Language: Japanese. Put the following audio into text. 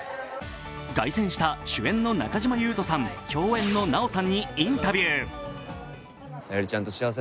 凱旋した主演の中島裕翔さん、共演の奈緒さんにインタビュー。